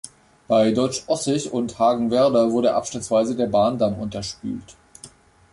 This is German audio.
Bei Deutsch-Ossig und Hagenwerder wurde abschnittsweise der Bahndamm unterspült.